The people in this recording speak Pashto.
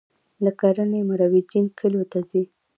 د کرنې مرویجین کلیو ته ځي